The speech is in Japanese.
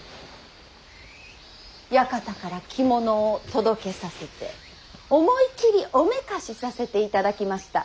館から着物を届けさせて思い切りおめかしさせていただきました。